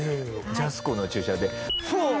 ジャスコの駐車場でフォーン！